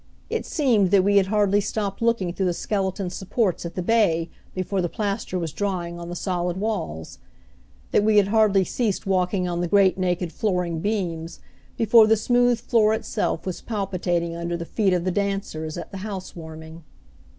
It seemed that we had hardly stopped looking through the skeleton supports at the bay before the plaster was drying on the solid walls; that we had hardly ceased walking on the great naked flooring beams before the smooth floor itself was palpitating under the feet of the dancers at the housewarming.